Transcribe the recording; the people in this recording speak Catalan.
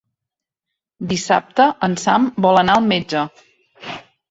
Dissabte en Sam vol anar al metge.